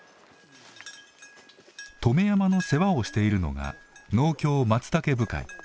止山の世話をしているのが農協まつたけ部会。